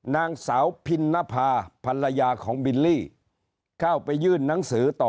นางสาวพินนภาพรยาของบิลลี่เข้าไปยื่นหนังสือต่อ